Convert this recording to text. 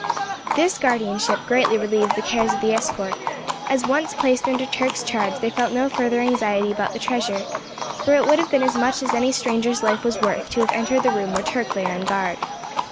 This guardianship greatly relieved the cares of the escort, as once placed under Turk's charge they felt no further anxiety about the treasure, for it would have been as much as any stranger's life was worth to have entered the room where Turk lay on guard.